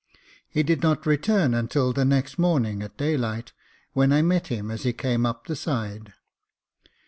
He did not return until the next morning at daylight, when I met him as he came up the side.